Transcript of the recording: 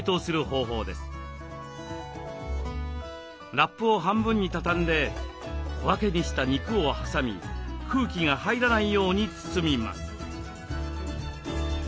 ラップを半分に畳んで小分けにした肉を挟み空気が入らないように包みます。